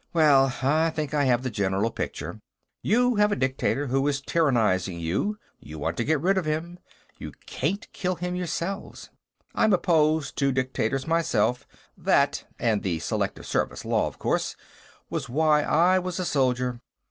Well, I think I have the general picture. You have a dictator who is tyrannizing you; you want to get rid of him; you can't kill him yourselves. I'm opposed to dictators, myself; that and the Selective Service law, of course was why I was a soldier.